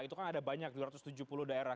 itu kan ada banyak dua ratus tujuh puluh daerah